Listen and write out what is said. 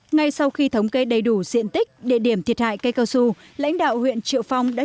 ngay sau khi thống kê đầy đủ diện tích địa điểm thiệt hại cây cao su lãnh đạo huyện triệu phong đã